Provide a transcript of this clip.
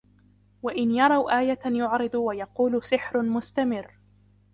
وَإِنْ يَرَوْا آيَةً يُعْرِضُوا وَيَقُولُوا سِحْرٌ مُسْتَمِرٌّ